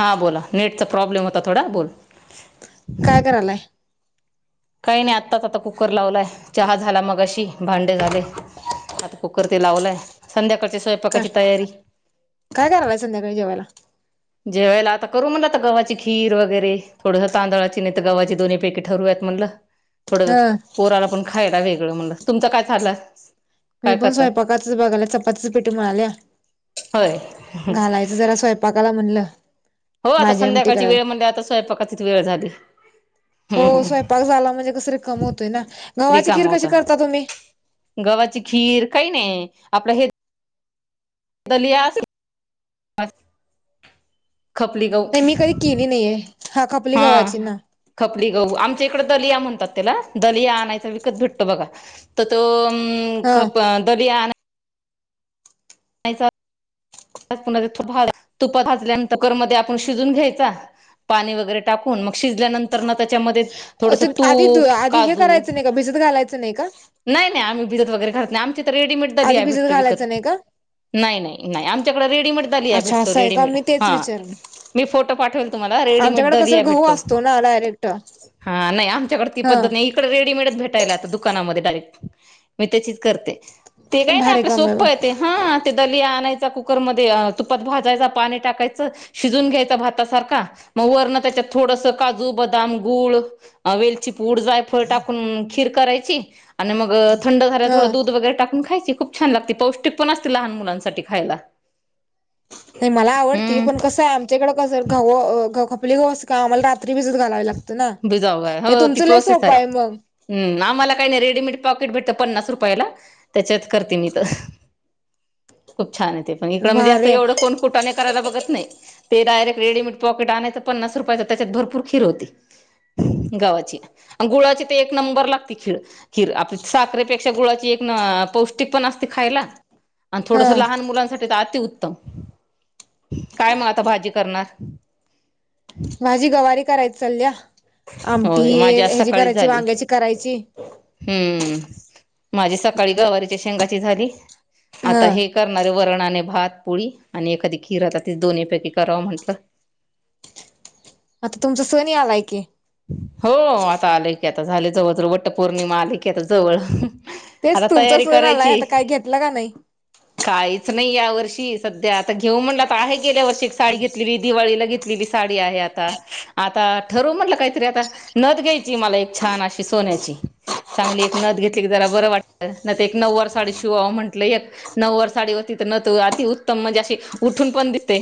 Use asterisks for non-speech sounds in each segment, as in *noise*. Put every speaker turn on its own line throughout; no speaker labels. हां बोला नेटचा प्रॉब्लेम होता थोडा बोल.
काय करायलाय
काही नाही आत्ताच आता कुकर लावलाय चहा झाला मगाशी भांडे झाले. आता कुकर ते लावलाय संध्याकाळच्या
काय
स्वयंपाकाची तयारी.
काय करायलाय संध्याकाळी जेवायला
जेवायला आता करू म्हटलं आता गव्हाची खीर वगैरे थोडस तांदळाची नाही तर गव्हाची दोन्ही पैकी ठरूयात म्हटलं थोडं
ह
पोराला पण खायला वेगळं म्हणलं तुमच काय चालंय.
मी पण स्वयंपाकातच बघायला चपातीच पीठ मळालीया.
होय
घालायचं जरा स्वयंपाकाला म्हणलं.
हो आता
भाजी आमटी
संध्याकाळची
कराव
वेळ म्हणजे आता स्वयंपाकाचीच वेळ झाली.
हो
हम्म
स्वयंपाक झाला म्हणजे कस रिकाम होतोय ना. गव्हाची खीर
रिकामा
कशी
होता
करता तुम्ही?
गव्हाची खीर काही नाही आपलं हे दलिया असेल
नाही मी कधी केली नाहीये, हा खपली गव्हाची ना.
खपली गहू, आमच्या इकडं दलिया म्हणतात तेला दलिया आणायचा विकत भेटतो बघा. तर तो आ
हा
खप त दलिया नाहीसात. आज पुन्हा तेथ तुपा भाचल्यानंत कुकरमध्ये आपण शिजून घ्यायचा, पाणी वगैरे टाकून मग शिजल्यानंतर ना त्याच्यामध्ये थोडस
तु आधी
तूप,
आधी हे
काजू
करायचं नाही का भिजत घालायचं नाही का
नाही नाही आम्ही भिजत वगैरे घालत नाही, आमच्या तर रेडीमेड दलिया
आधी
आहे
भिजत
भेटतो विकत.
घालायचं नाही का
नाही नाही नाही त्याच्याकड रेडीमेड झाली आहे.
अच्छा
भेटतो
असं का
रेडडीमेड
मी तेच
हा.
विचारलं
मी फोटो पाठवेल तुम्हाला. रेडीमेड
आमच्याकडे
दलिया
कसं गहू
भेटतो.
असतो ना डायरेक्ट
हा नाही आमच्याकडे ती
हा
पद्धत नाही. इकडे रेडीमेडच भेटायल्या आता दुकानामध्ये. डायरेक्ट मी त्याची करते. ते काही नाही
भारी
आपल्या
काम आहे
सोपं
मग
येत हा ते दल आणायच. कुकरमध्ये तुपात भाजायच पाणी टाकायचं. शिजून घ्यायच भातासारखा मग वरण त्याच्या थोडं थोडस काजू. बदाम. गुळ. वेलची पूड. जायफळ टाकून खीर करायची. आणि मग थंड झाल्याला
ह
थोडं दूध वगैरे टाकून खायची खूप छान लागते. पौष्टिक पण असती लहान मुलांसाठी खायला.
नाही मला आवडती. पण
हम्म
कसं आहे. आमच्याकडं कस गहू आपल गोस का आम्हाला रात्री भिजत घालायला लागत.
भिजाव हो ती प्रोसेस आहे.
मग
आम्हाला काही नाही रेडीमेड पॉकेट भेटत पन्नास रुपयाला त्याच्यात करते मी. छान आहे ते पण इकंड म्हणजे असं
भारी
एवढं कोन कुटाने करायला बघत नाही. ते डायरेक्ट. रेडीमेड पॉकेट आणायच पन्नास रुपयाच त्याच्यात भरपूर खीर होती. गावाची गुळाची ते एक नंबर लागते. खीर-खीर आपली साखरेपेक्षा गुळाची एक. पौष्टिक पण असत खायला. आणि
हा
थोडस लहान मुलांसाठी अ. काय मग आता भाजी करणार.?
माझी गवारी करायची चलल्या. आमटी
होय माझी आज
हेजी
सकाळीच
करायची
झाली.
वांग्याची करायची.
हम्म माझी सकाळी गवारीच्या शेंगाची झाली.
हा
आता हे करणारे वरण. नाणे भात पुळी. आणि एखादी खीर ती दोन्ही पैकी करावं म्हंटलं.
आता तुमच सन आलाय की.
हो आता. आलय की. आता झाले जवळ जव वट्ट पौर्णिमा आले की आता जवळ.
तेच
आता
तुमचा
तयारी
सण आलाय
करायची.
आता काय घेतला का नाही
काही च नाही या वर्षी, सध्या आता घेऊ म्हटलं आ आहे गेल्या वर्षी एक साडी घेतलेली, दिवाळीला घेत लेली साडी आहे आता. आता ठरव म्हटल काय तरी आता, नथ घ्यायचीए मला एक छान अशी सोन्याची. चांगली एक नथ घेतली की, जरा बरं वाटत. नाही तर एक नववार साडी शिवावं म्हटलं, नववार साडी वरती नथ ओ, अति उत्तम म्हणजे अशी उठून पण दितय.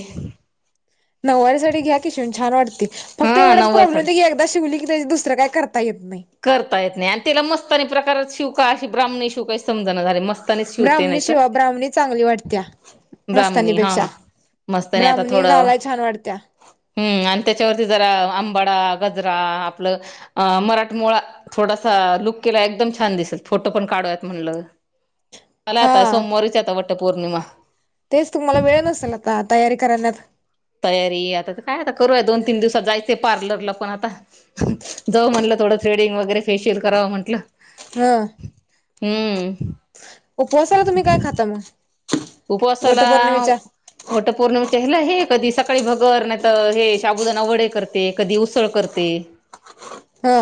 नववारी साडी घ्या कि, शिऊन छान वाटते. फक्त
हा
एवढाच
नऊवार
प्रॉब्लेम
साडी
होतो की, एकदा शिवली की, त्याच दुसरं काय करता येत नाही.
तीला मस्तानी प्रकारात शिवू का? अशी ब्राह्मणी शिवू काय समजना झालय, मस्त
ब्राह्मणी शिवा, ब्राह्मणी चांगली वाटतिया
ब्राह्मणी हा
मस्तानीपेक्षा. ब्राम्हमणी घालाय छान वाटतिया.
हुं. म आणि ते त्याच्यावरती जरा अंबाडा, गजरा आपलं मराठ मोळा थोडासा लूक केला एकदम छान दिसल, फोटो पण काढूयात म्हणटलं
*inaudible*
आला आता,
हा
सोमवारीच आता वाटतं.
तेच तुम्हाला वेळ नसेल आता तयारी करराण्यात
तयारी आता तर काय आता करूया, दोन तीन दिवसात जायचे पार्लरला पण आता, जाऊ म्हणल. थोडं थ्रेडिंग वगैरे, फेशियल करांव म्हटलं.
हा.
हम्म..
उपवासाला तुम्ही काय खाता म...
उपवासाला वट पौर्णिमाे ला हे.. कधी सकाळी भगर नाही तर हे शाबुदाना वडे करते कधी उसळ करते...
हो...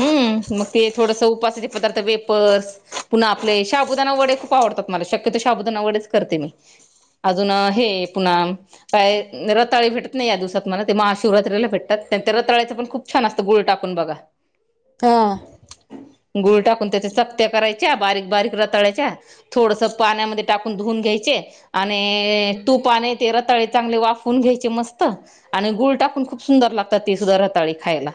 हम्म मग ते थोडस उपासाचे पदार्थ वेपर्स पुन्हा आपले शाबुदाना वडे खूप आवडतात मला शक्यतो शाबदूना वडेच करते मी... अजून हे पुन्हा काय रताळी भेटत नाही या दिवसात मला ते महाशिवरात्रीला भेटतात. नाहीतर रताळ्याचं पण खूप छान असतं गुळ टाकून बघा..
का?
गुळ टाकून त्याच्या चकत्या करायच्या बारीक बारीक रताळ्याच्या थोडस पाण्यामध्ये टाकु... धुवून घ्यायचे आणि तूप आणि ते रताळे चांगले वाफवुन घ्यायचे मस्त... आणि गुळ टाकून खूप सुंदर लागतात ती सुद्धा रताळी खायला...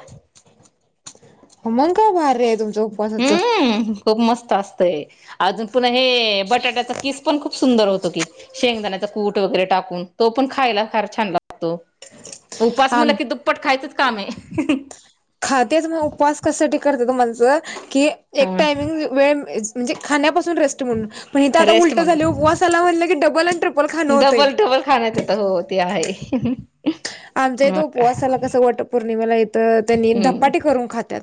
मग काय भारी आहे तुमच उपवासाचं...
हम्म खूप मस्त असतय अजून पुन्हा हे बटाट्याचा किस.. पण खूप सुंदर होतो की शेंगदाण्याचा कूट वगैरे टाकून तो पण खायला फार छान लागतो...
ह
उपास
आ
म्हणलं की दुप्पट खायचंच काम आहे
खातेस मग उपवास कशासाठी करतेस. मच कि एक
हा
टामिंग वेळ म्हणजे खाण्यापासून... रेस्ट म्हणून पण इथ आता
रेस्ट
उलट झालाय उपवासाला म्हणल कि डब्बल आणि ट्रिपल... खाणं होतंय.
डब्बल डब्बल खाणेत येतात हो ते आहे...
आमच्या इथ
मग काय
उपवासाला कस वट पौर्णिमेला इथ त्यांनी
हम्म
धपाटे करून खातात.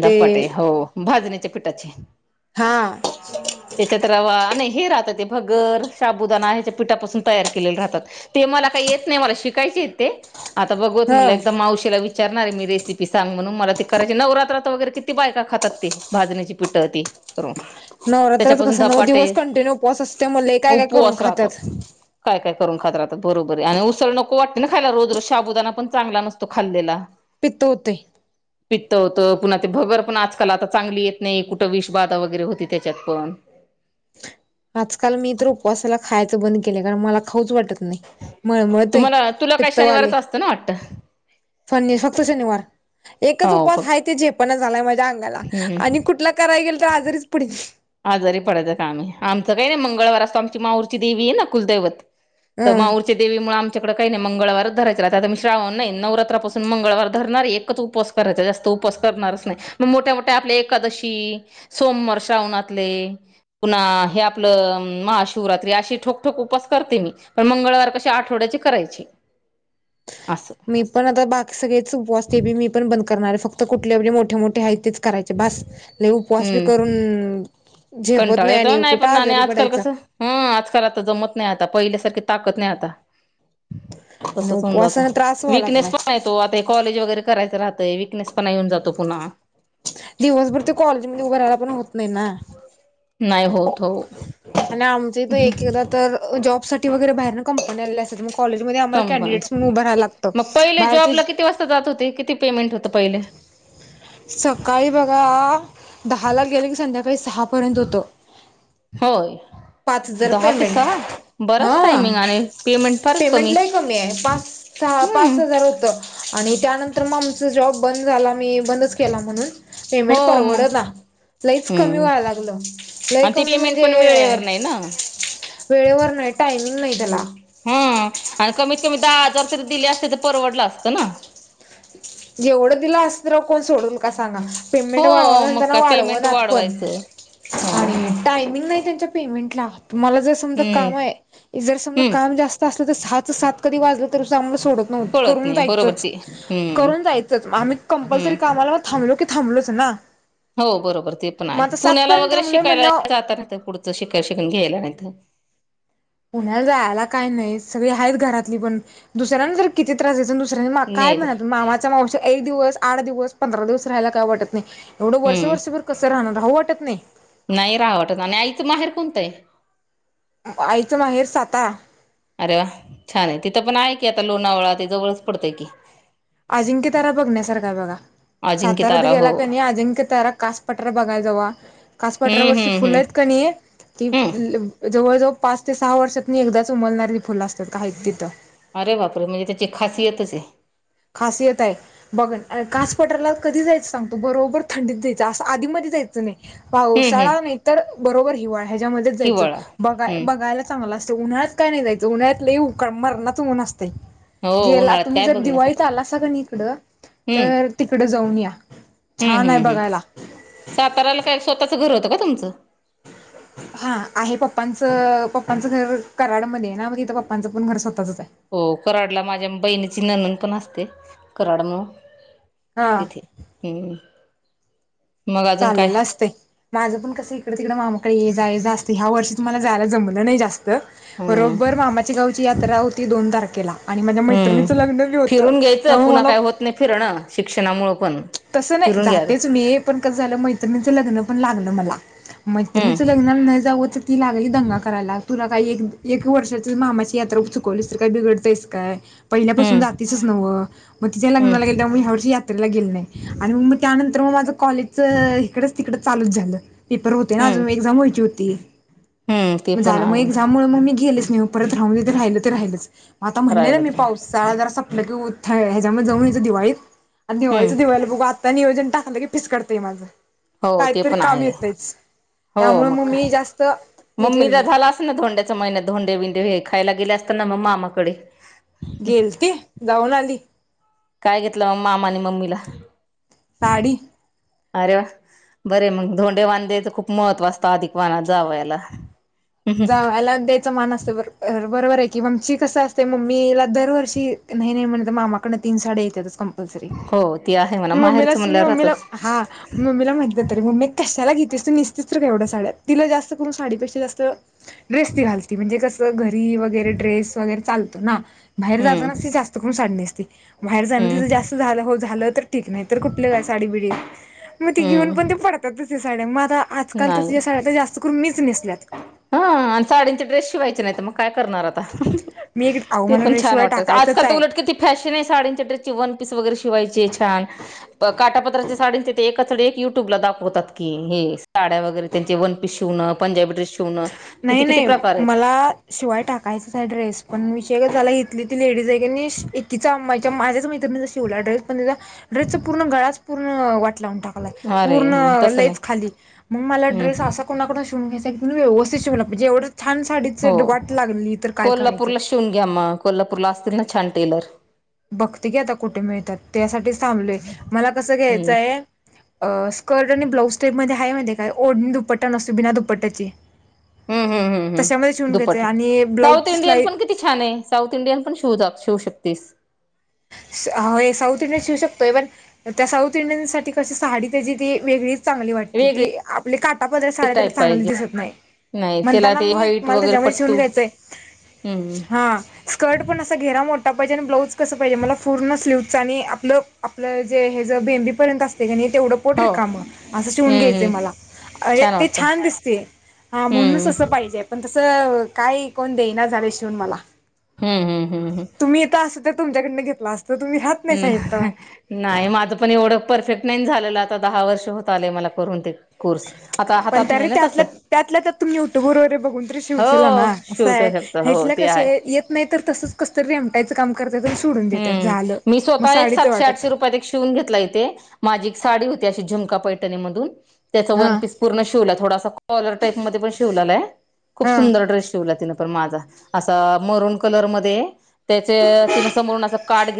धपाटे हो भाजणीच्या पिठाचे..
हा...
त्याच्यात रवा नाही हे राहतात ते भगर शाबुदाना ह्याच्या पीठापासून तयार केलेले राहतात ते मला काही येत नाही मला शिकायच. ते आता बघुयात म्हणल
ह
एकदा मावशीला विचारणार आहे मी रेसिपी सांग म्हणून मला करायची नवरात्र.. वगैरे किती बायका खातात ते भाजण्याची पिठ ते करून...
नवरात्राच
त्याच्यापासून
कसं नऊ दिवस
धपाटे
कंटिन्यू उपवास असल्यामुळे काय काय करून
उपवास राहतात
खातात
काय काय.... करून खात राहतात बरोबर आहे आणि उसळ नको वाटते ना खायला रोज रोज शाबुदाना पण चागंला नसतो खाल्लेला...
पित्त होतय.
पित्त होत पुन्हा... ते भगर पण आजकाल आता चांगली येत नाही कुठं विष बाधा वगैरे होती त्याच्यात पण..
आजकाल मी तर उपवासाला खायचं बंद केले कारण मला खाऊच वाटत नाही. नाही मळमळतय आहे
तुम्हाला तुला काय
पित्त व्हालय..
शनिवारच असतं ना वाटतं?
फनि फक्त शनिवार एकच
हो
उपवास
फक्त
हाय ते झेपणा झालाय माझ. अंगाला आणि
हम्म
कुठला कराय गेल तर आजारीच पडते.
आजारी पडायचं काम आहे आमचं काही नाही मंगळवार असतो आमची माहोरची देवी आहे ना कुलदैवत... तर
अ
माऊरच्या देवी मुळ आम.. कडे काही नाही मंगळवारच धरायच आता मी श्रावण नाही नवरात्रपासून मंगळवार धरणार एकच उपवास करायचा जास्त उप.... उपवास करणारच नाही मोठ्या मोठ्या आपल्या एकादशी सोमवार श्रावणात.... ते पुन्हा हे आपलं महाशिवरात्री अशी ठोकठोक उपवास करते मी पण मग... मंगळवार कशे आठवड्याची करायचे..
*inaudible*
असं
मी पण आता बाकी सगळेच उपवास ते मी पण बंद करणार आहे. फक्त कुठलेे मोठे मोठे आहेत तेच... करायचे बास लइ उपवास बी
हम्म
करून... झेपत
कंटाळ येतो
आणि
नाही
कुठं
पण ना आणि
आजारी
आजकाल
पडायचा
कसं हं आजकाल आता जमत नाही आता पहि.. पहिल्या सारखी ताकत नाही आता...
आणि
तसच होऊन जातो
उपवासाने त्रास व्हावा
विकनेस
लागलाय
पणा येतो आता कॉलेज वगैरे करायचं राहत. विकनेस पण येऊन जातो पुन्हा..
दिवसभर ते कॉलेजमध्ये उभं राहायला पण होत. नाहि ना
नाही होत हो
*inaudible* आणि आमच्या इथ एकेकदा तर जॉबसाठी ती वगैेरे बाहेरन कंपनी आलेली असत्यात
कमवाय मग पहिले
बाहेरचे
जॉबला किती वाजता जात होते किती? पेमेंट होत पहिले?
सकाळी बघा दहा ला गेले की संध्याकाळी सहापर्यंत होत.
होय
पाच हजार
दहा ते
पेमेंट
सहा बराच
हं..
टायमिंग आणि फारच
पेमेंट लई कमी आहे पाच
हम्म
पाच हजार होत आणि त्यानंतर मग आमच जॉब बंद झाला. मी बंदच केला म्हणून
हो
पेमेंट
मग
परवडणा लयच कमी
हम्म
व्हाय लागलं लई
आणि ते
कमी
पेमेंट
म्हणजे
पण वेळेवर
*inaudible*
नाही ना.
वेळेवर नाही टायमिंग नाही त्याला
हा.. आणि कमीत कमी दहा हजार तरी दिले असते तर परवडलं असतं ना.
येवढं दिलं असत र कोण सोडून का सांगा *unintelligible* पेमेंट
हो मग
वाढवानंतर ना
काय
वाढव
पेमेंट
नात पण
वाढवायचं. हो
आणि टायमिंग नाही म त्यांच्या पेमेंटला, मला जर समजा
हम्म
काम आहे, जर समजा
हम्म.
काम जास्त असल तर सहाच सात कधी वाजलं तरीमला सोडत नव्हतत
कळत
करून
नाही बरोबर
जायचंच.
ते हम्म
करून जायचंच आम्ही
हम्म
कंपल्सरी कामाला थांबलो की थांबलोच ना..
हो बरोबर ते पण
मग
आहे
आता
पुण्याला
सातपर्यंत
वगैरे
थांबलोय
शिकायला
म्हणल्यावर
जात- नाहीत -पुढचं शिकायला -शिकून- घ्यायला नाहीत
ह *inaudible* पुण्याला जायला काय नाही, सगळी आहेत घरातली पण दुसऱ्यांना तर किती त्रास द्यायचा -दुसऱ्यां काय
नाहीच
म्हणत मामाचा माव- एक दिवस आठ दिवस पंधरा दिवस राहायला काय वाटत नाही एवढं वर्ष
हम्म
-वर्षभर कसं राहणार राहू वाटत नाही
नाही राहा वाटत आणि आईचं -माहेर कोणतय?
आईच माहेर साता
अरे वा छान आहे तिथं पण आहे की आता लोणावळा त जवळच पडतय की
अजिंक्यतारा बघण्यासारखा आहे बघा
अजिंक्य
साताऱ्यात
तारा
गेला
हो
कणी अजिंक्यतारा कास पठार बघायला जावा कास पठारा
हम्म
वरची
हम्म
फुल
हम्म
आहेत कणी ती
हम्म
-जवळजवळ पाच ते सहा वर्षातन एकदाच उमलणारी फुलं असतात, आहेत तिथं
अरे बापरे म्हणजे त्याची खासियतच आहे
खासियत आहे बघ कास पठारला कधी जायचं सांगतो बरोबर थंडीत द्यायचं असं आधी म जायचं नाही
हम्म हम्म
पावसाळा नाहीतर बरोबर हिवाळा ह्याच्यामध्येच जायचं
हिवाळा
बघाय
हम्म
-बघायला चांगला अस उन्हाळ्यात काय नाही जायचं उन्हाळ्यात लय उका- मरनाच ऊन असतय
हो
गेला
उन्हाळ्यात
तुम्ही
काय
जर दिवाळी
बघण्यासारखं
आलासा कणी इकडं
हम्म
तर तिकडं जाऊन या छान आहे बघायला
साताराला काय स्वतःच घर होतं का तुमचं?
ह् *inaudible* *inaudible* हा आहे पप्पांचं -पप्पांचं घर कराडमध्ये आहे ना मग इथ पप्पांचं पण घर स्वतःच च आहे.
हो कराडला माझ्या बहिणीची ननंद पण असते कराड म *inaudible*
हा
तिथे, हम्म... मग अजून काय
चाललेलं असतय माझं पण कस इकड- तिकड मामाकडे येजा येजा असतय ह्या वर्षी मला जायला जमलं नाही जास्त
हम्म
बरोबर मामाच्या गावची यात्रा होती दोन तारखेला आणि माझ्या मैत्रिणीचं लग्न बी होतं
तूला
मला
काय होत नाही फिरणं शिक्ष
तसं नाही जातेच मी पण कसं झालं मैत्रिणीचं लग्न पण लागलं मला मैत्रिणीच्या
हम्म
लग्नाला नाही जाव, तर ती लागली दंगा करायला तुला काही एक- एक वर्षाच मामाच्या ती यात्र-प चुकवलीस तर काही बिघडतेयस काय पहिल्यापासून
हम्म
जातीसच नव्हं मग तिच्या लग्नाला
हम्म
गेलल्या म ह्या वर्षी यात्रेला गेल नाही आणि मग मग त्यानंतर मग माझं कॉलेजच इकडेच तिकड चालूच झालं पेपर होते ना
हम्म
अजून एक्झाम व्हायची होती
हम्म ते
मग
पण
झालं मग
आहे
एक्झाममुळ मग मी गेलेच नाही ओ परत राहूनदे ते राहिलं ते राहिलंच मग आता म्हणलेल मी
राहिलच राहिल
पाऊस साळा जरा संपला कि उ ह्याच्यामध्ये जाऊन यायं दिवाळीत आणि दिवाळीच
हम्म
दिवा त्या नियोजन टाकलं की पिसकडतंय माझं
हो ते
काहीतरी
पण
काम
आहे
येतच
हो मका मम्मी
केलं
तर
नाही
झाला अस ना धोंड्याच्या महिन्यात धोंडे बिंडे हे खायला गेले असताना मग मामाकडे
गेल ते गाऊन आली
काय घेतलं मग मामा आणि मम्मीला
साडीी
अरे बरे मग धोंडे वांध्याच खूप महत्त्व असतं अधिक वानात जाव याला
जाला द्यायचं मान असतं बर बरोबर आहे की ममची कसं असते मम्मीला दरवर्षी नाही नाही म्हणत मामाकडं तीन साडी्या येतातच का
हो ती आहे म्हणा
मी
माहेरचं
मला
म्हणल्यावर
मला
राहतच
हा मी मला म्ह म काला गी तिल जास्त करून साडी पेक्षा जास्त वरेड्रेस वगैरे चालतो ना बाहेर जात नस
हम्म
जास्त करून साडी नेसते बाहेर जाणं तिचं
हम्म
जास्त झालं हो झालं तर ठीक नाही तर कुठल काय साडी बिडी मग ती घेऊन पण
हम्म
ते पडतात त साडी्या म आता आजकाल
नाही
तर या सड्या जास्त करून मीच नेसल्यात
ह आणि साडीचे ड्रेस शिवायचे नाही म
मी एक अहो मला
पण छ
ड्रेस शिवाय टाकायचंच आहे
वाशन य छ काटापत्राचे साडीच युट्यूब ला दाखवतात क ड्या वगरे त्यांचे वनपी शिवं पंजबी
नाही नाही मला शिवाय टाकायच ह ड्रेस पण विय ला इथली ती लडीज आहे एककीचा आंच्या माझ्याच वला ड्रेस पण ड्रेस पूर्ण गळाच पूर्ण वाट लावून टाकलाय
अरे
पूर्ण
तसं नाही
खाली मग मला ्रस
हम्म
कोून शून घय म्हणजे एवढं छान साडीच
हो
वाट लागली तर काय करायचं
तुला असतील ना छान टेलर
बघती की आता कुठे मिळतात त्यासाठी थांबलय मला कसं
हम्म
घ्यायचंय अ स्कर्ट आणि ब्लाउज टाईप मध्ये आहे म्हणते काय ओढणी दुपट्टा नसतो बिना दुपट्ट्याची
हम्म हम्म हम्म हम्म
तशामध्ये चिवून घेत
दुपट
आणि
साऊथ
ब्लाऊजची
इंडियन
सिलाई
पण किती छान आहे साऊथ इंडियन पण शिव शिवू शकतेस
साऊथ इंडियन्स शऊ शकतो इवन त्या साऊथ इंडियन साठी कशी साहाडी त्याची ती वेगळीच चांगली वाटते तेी
वेगळे
आपले काटा पदर सार्या त्याला
टाईप
चांगले
पाहिजे
दिसत नाही
नाही त्याला
म्हणताना
ते
मी
व्हाईट
मला
वगैरे
त्याच्यामध्ये शिवून
पट्टू
घ्यायचंय
हम्म
हा स्कर्ट पण असा घेरा मोठा पाहिजे आणि ब्लाऊज कस पाहिजे मला पूर्ण स्लीवच आणि आपलं आपलं जे हे ज भेंबीपर्यंत अस त्याणी तेवढं पोटल
हो
काम असं शिवून
हम्म
घ्यायचं
हम्म
मला अ ते छान दिसते हा म्हणूनच
हम्म
असं पाहिजेय पण तसं काय कोण देना झालं शिवून मला
हम्म हम्म हम्म हम
तुमच्याकडून घेतला अस
हम् नाही माझं पण एवढं परफेक्ट नाही झालेलं आ आता दहा वर्ष होत आले मला करून ते कोर्स आता
पण
हातात
त रे
नाही ना तसं
त्यातल्या त्यातल्या तुम्ही युट्यूबर वगैरे बघून तरी शिवचला ना
हो
असं
शिवत
आहे
शकत हो
ह
ते आहे
केत नाही त केय काम करतात आणि सोडून देतात झालं
हम्म मी
मग
स्वतः एक
साडीचं
सातशे
वाटच
आठशे रुपयात एक शिवून घेतला इथे माझी एक साडी होती शी झिमका पैटणी मधून त्याचा
हा
वन पीस पूर्ण शिवला थोडासा कॉलर टाईप मध्ये प शिवलेला आहे खूप
हा
सुंदर ्रेस शेवला तिनें मा म कलर त्या